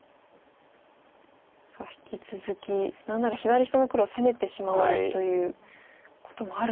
引き続き何なら左下の黒を攻めてしまおうということもあるんですかね。